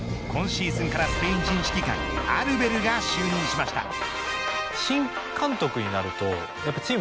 今シーズンからスペイン人指揮官アルベルが就任しました。